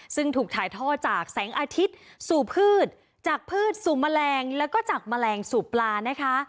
ซึ่งถูกถ่ายท่อจากแสงอาทิตย์สู่พืชจากพืชสู่แมลงแล้วก็จากแมลงสู่ปลานะคะ